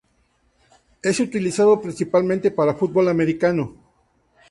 Es utilizado principalmente para fútbol americano.